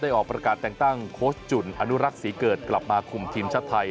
ออกประกาศแต่งตั้งโค้ชจุ่นอนุรักษ์ศรีเกิดกลับมาคุมทีมชาติไทย